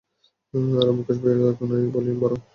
আরে, মুকেশ ভাইয়া তো নাই, ভলিউম বাড়াও।